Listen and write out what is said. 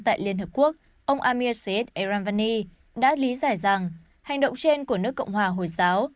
tại liên hợp quốc ông amir saeed eranvani đã lý giải rằng hành động trên của nước cộng hòa hồi giáo